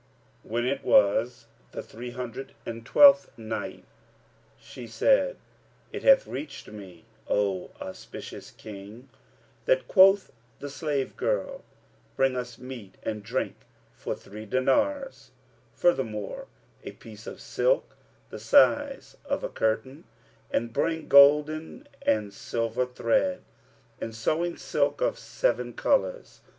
When it was the Three Hundred and Twelfth Night, She said, It hath reached me, O auspicious King that quoth the slave girl, "Bring us meat and drink for three dinars, furthermore a piece of silk, the size of a curtain, and bring golden and silvern thread and sewing silk of seven colours."